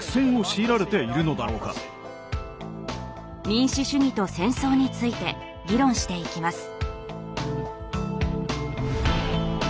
民主主義と戦争について議論していきます。